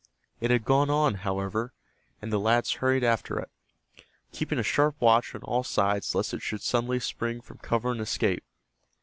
It had gone on, however, and the lads hurried after it, keeping a sharp watch on all sides lest it should suddenly spring from cover and escape.